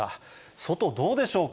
外、どうでしょうか？